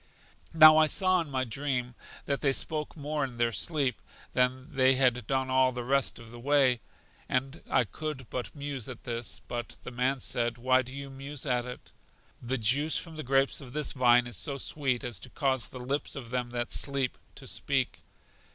Now I saw in my dream that they spoke more in their sleep than they had done all the rest of the way, and I could but muse at this, but the man said: Why do you muse at it? The juice from the grapes of this vine is so sweet as to cause the lips of them that sleep to speak.